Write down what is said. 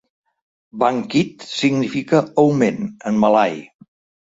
Bangkit significa "augment" en malai.